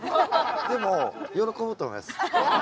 でも喜ぶと思います。